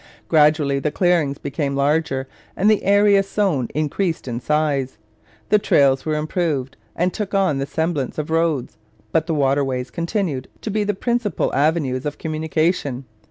Gradually the clearings became larger and the area sown increased in size. The trails were improved and took on the semblance of roads, but the waterways continued to be the principal avenues of communication.